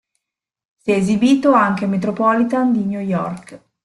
Si è esibito anche al Metropolitan di New York.